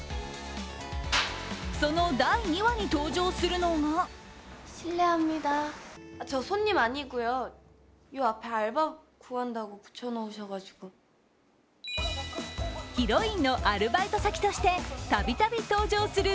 その第２話に登場するのがヒロインのアルバイト先としてたびたび登場する